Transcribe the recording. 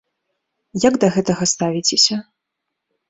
Як да гэтага ставіцеся?